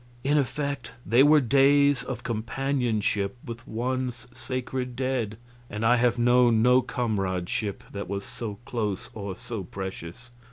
In effect they were days of companionship with one's sacred dead, and I have known no comradeship that was so close or so precious.